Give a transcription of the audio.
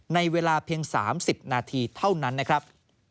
ในเวลาเพียง๓๐นาทีเท่านั้นนะครับ